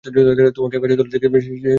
তোমাকে গাছের তলায় দেখিতাম, সে যে বেশ ছিল।